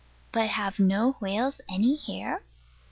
But have no whales any hair?